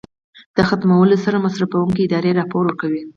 د ختمولو سره مصرفوونکې ادارې راپور ورکوي.